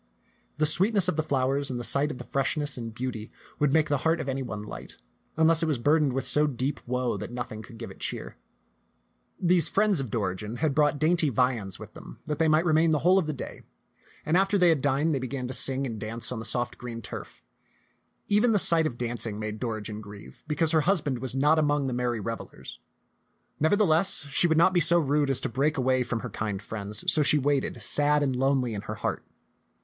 The sweetness of the flowers and the sight of their freshness and beauty would make €^t panUiWB tait 189 the heart of any one light, unless it was burdened with so deep woe that nothing could give it cheer. These friends of Dorigen had brought dainty viands with them that they might remain the whole of the day ; and after they had dined, they began to sing and to dance on the soft green turf. Even the sight of the dancing made Dorigen grieve, because her husband was not among the merry revelers. Nevertheless, she would not be so rude as to break away from her kind friends, so she waited sad and lonely in her heart.